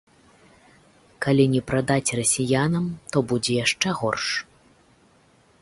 Калі не прадаць расіянам, то будзе яшчэ горш.